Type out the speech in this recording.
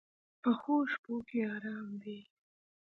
پخو شپو کې آرام وي